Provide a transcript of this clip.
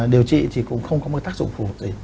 điều trị thì cũng không có một tác dụng phù hợp gì